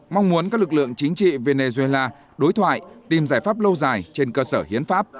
mong muốn các lực lượng chính trị venezuela đối thoại tìm giải pháp lâu dài trên cơ sở hiến pháp